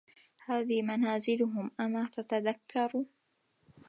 هذي منازلهم أما تتذكر